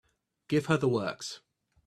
Give her the works.